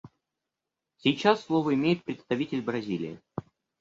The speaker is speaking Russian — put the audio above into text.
Сейчас слово имеет представитель Бразилии.